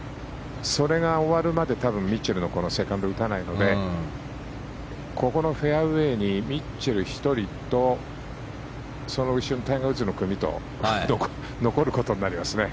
それが終わるまでミッチェルのセカンドを打たないのでここのフェアウェーにミッチェル１人とその後ろタイガー・ウッズの組と残ることになりますね。